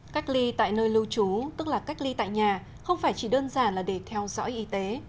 cách ly tại nơi lưu trú tức là cách ly tại nhà không phải chỉ đơn giản là để theo dõi y tế